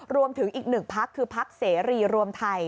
รวมถึงอีกหนึ่งพักคือพักเสรีรวมไทย